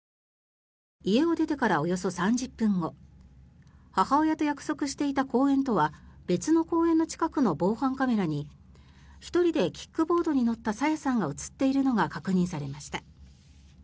家を出てからおよそ３０分後母親と約束していた公園とは別の公園の近くの防犯カメラに１人でキックボードに乗った朝芽さんが映っているのが確認されました。